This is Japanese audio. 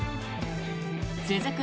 続く